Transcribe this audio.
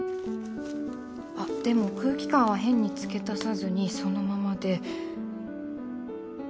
あっでも空気感は変に付け足さずにそのままで